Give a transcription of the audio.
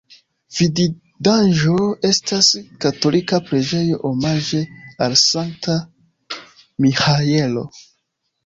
Vidindaĵo estas katolika preĝejo omaĝe al Sankta Miĥaelo.